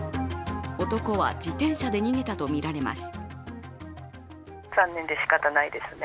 男は自転車で逃げたとみられます。